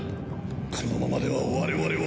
このままでは我々は。